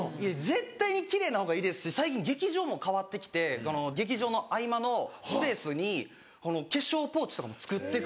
絶対に奇麗な方がいいですし最近劇場も変わってきて劇場の合間のスペースに化粧ポーチとかもつくってくれてて。